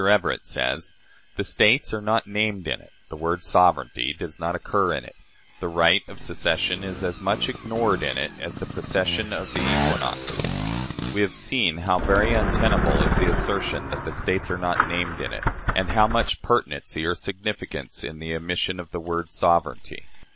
Everett says: "The States are not named in it; the word sovereignty does not occur in it; the right of secession is as much ignored in it as the procession of the equinoxes." We have seen how very untenable is the assertion that the States are not named in it, and how much pertinency or significance in the omission of the word "sovereignty."